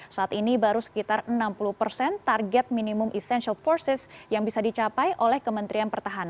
saat ini baru sekitar enam puluh persen target minimum essential forces yang bisa dicapai oleh kementerian pertahanan